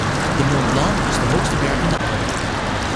De Mont Blanc is de hoogste berg in de Alpen.